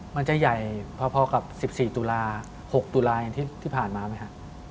มันจะใหญ่พอกับ๑๔ตุลา๖ตุลาอย่างที่ผ่านมาไหมครับ